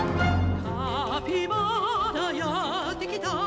「カピバラやってきた」